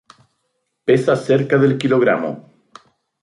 Pesa cerca del kilogramo.